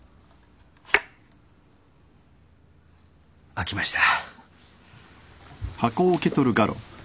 開きました。